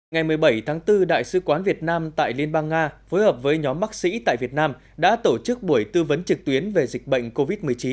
ngày một mươi bảy tháng bốn đại sứ quán việt nam tại liên bang nga phối hợp với nhóm bác sĩ tại việt nam đã tổ chức buổi tư vấn trực tuyến về dịch bệnh covid một mươi chín